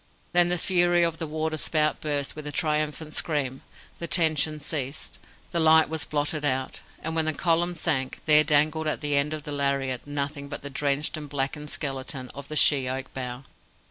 Then the fury of the waterspout burst with a triumphant scream, the tension ceased, the light was blotted out, and when the column sank, there dangled at the end of the lariat nothing but the drenched and blackened skeleton of the she oak bough.